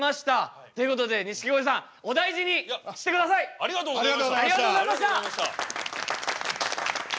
ありがとうございます。